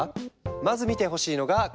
まず見てほしいのがこれ。